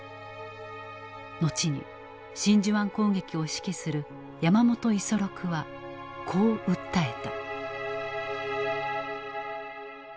後に真珠湾攻撃を指揮する山本五十六はこう訴えた。